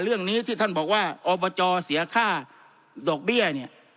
เรื่องนี้ที่ท่านบอกว่าอบจเสียค่าดอกเบี้ยเนี่ย